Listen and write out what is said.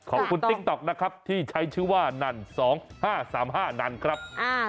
ติ๊กต๊อกนะครับที่ใช้ชื่อว่านั่น๒๕๓๕นั่นครับ